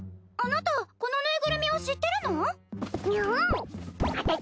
あなたこのぬいぐるみを知ってるの？